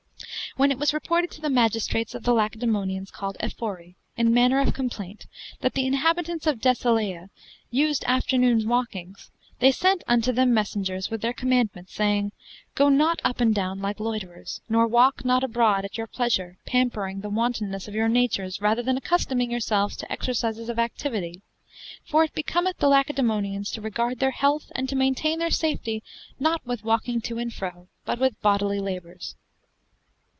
When it was reported to the magistrates of the Lacedaemonians called Ephori, in manner of complaint, that the inhabitants of Deceleia used afternoone walkings, they sent unto them messengers with their commandmente, saying: "Go not up and doune like loyterers, nor walke not abrode at your pleasure, pampering the wantonnes of your natures rather than accustoming yourself to exercises of activity. For it becometh the Lacedaemonians to regarde their health and to maintaine their safety not with walking to and fro, but with bodily labours."